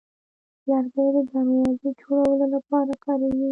لرګی د دروازې جوړولو لپاره کارېږي.